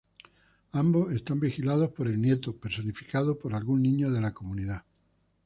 Ambos son vigilados por "el nieto", personificado por algún niño de la comunidad.